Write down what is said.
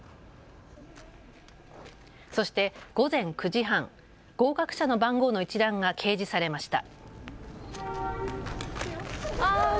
そして午前９時半、合格者の番号の一覧が掲示されました。